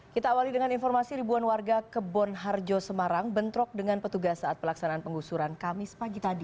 kita awali dengan informasi ribuan warga kebon harjo semarang bentrok dengan petugas saat pelaksanaan penggusuran kamis pagi tadi